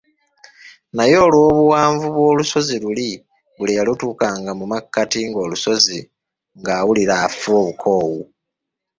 Naye olw'obuwanvu bw’olusozi luli buli eyatuukanga mu makkati g'olusozi ng'awulira afa obukoowu.